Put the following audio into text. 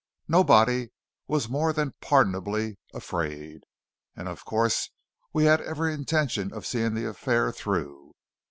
Nobody was more than pardonably afraid, and of course we had every intention of seeing the affair through.